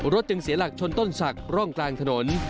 จึงเสียหลักชนต้นศักดิ์ร่องกลางถนน